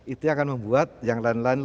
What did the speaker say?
itu akan membuat yang lain lain